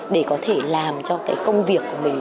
để có thể làm cho cái công việc của mình